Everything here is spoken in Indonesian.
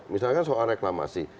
misalkan soal reklamasi